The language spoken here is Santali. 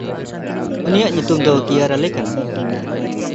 ᱩᱱᱤᱭᱟᱜ ᱧᱩᱛᱩᱢ ᱫᱚ ᱠᱤᱭᱟᱨᱟᱞᱮ ᱠᱟᱱᱟ᱾